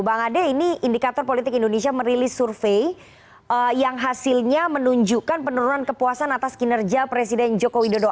bang ade ini indikator politik indonesia merilis survei yang hasilnya menunjukkan penurunan kepuasan atas kinerja presiden joko widodo